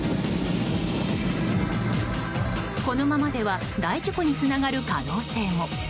このままでは大事故につながる可能性も。